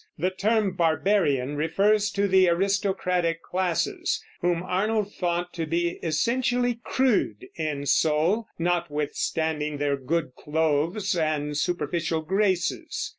The term "Barbarian" refers to the aristocratic classes, whom Arnold thought to be essentially crude in soul, notwithstanding their good clothes and superficial graces.